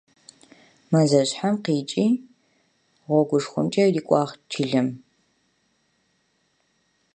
Он вышел из луга и пошел по большой дороге к деревне.